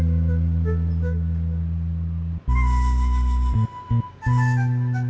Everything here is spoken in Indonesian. sehingga mau hanya